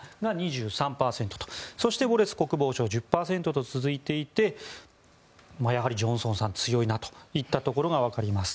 そして、ウォレス国防相が１０％と続いていてやはりジョンソンさん強いなといったところがわかります。